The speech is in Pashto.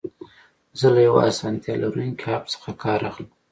زه له یو اسانتیا لرونکي اپ څخه کار اخلم.